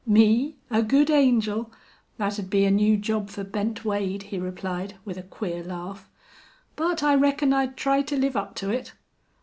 "Me! A good angel? That'd be a new job for Bent Wade," he replied, with a queer laugh. "But I reckon I'd try to live up to it."